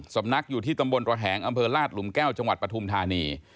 สำนักอยู่ที่ตำบลระแหงอำเภอลาดหลุมแก้วจังหวัดปฐุมธานี